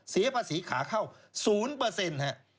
เสียภาษีขาเข้า๐ครับ